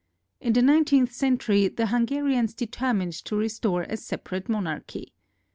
In the nineteenth century, the Hungarians determined to re store a separate monarchy.